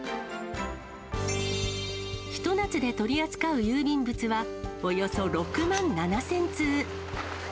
ひと夏で取り扱う郵便物はおよそ６万７０００通。